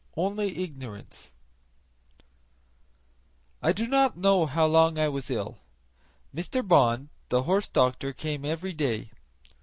19 Only Ignorance I do not know how long I was ill. Mr. Bond, the horse doctor, came every day.